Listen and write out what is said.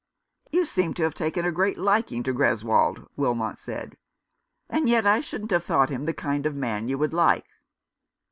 "You seem to have taken a great liking to Greswold," Wilmot said ;" and yet I shouldn't have thought him the kind of man you would like."